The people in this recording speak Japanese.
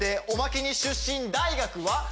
おまけに出身大学は？